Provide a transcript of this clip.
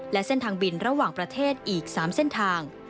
และเส้นทางบินระหว่างประเทศอีก๓เส้นทาง